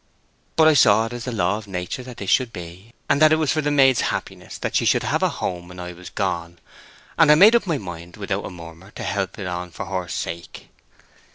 But I saw it was the law of nature that this should be, and that it was for the maid's happiness that she should have a home when I was gone; and I made up my mind without a murmur to help it on for her sake.